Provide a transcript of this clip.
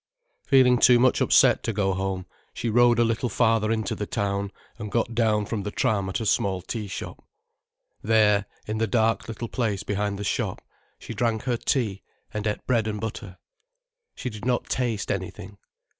Feeling too much upset to go home, she rode a little farther into the town, and got down from the tram at a small tea shop. There, in the dark little place behind the shop, she drank her tea and ate bread and butter. She did not taste anything.